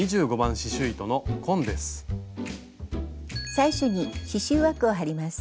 最初に刺しゅう枠を張ります。